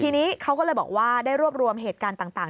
ทีนี้เขาก็เลยบอกว่าได้รวบรวมเหตุการณ์ต่าง